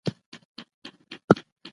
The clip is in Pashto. که روغتیا وي نو بدن نه کمزوری کیږي.